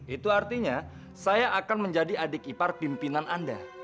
itu artinya saya akan menjadi adik ipar pimpinan anda